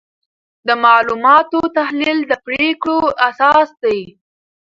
د معلوماتو تحلیل د پریکړو اساس دی.